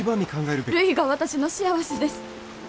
るいが私の幸せです。